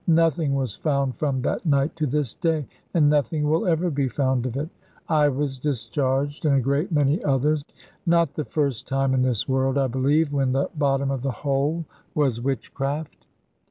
Nothing was found from that night to this day, and nothing will ever be found of it. I was discharged, and a great many others; not the first time in this world, I believe, when the bottom of the whole was witchcraft.